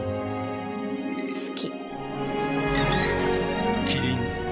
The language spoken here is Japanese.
好き。